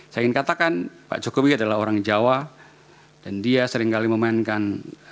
saya ingin katakan pak jokowi adalah orang jawa dan dia seringkali memainkan